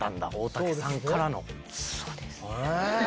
そうです。